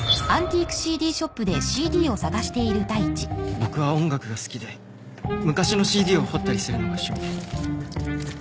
僕は音楽が好きで昔のＣＤを掘ったりするのが趣味で。